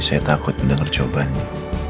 saya takut mendengar cobaanmu